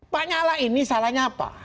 pak nyala ini salahnya apa